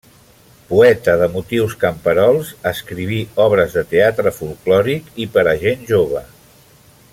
Poeta de motius camperols, escriví obres de teatre folklòric i per a gent jove.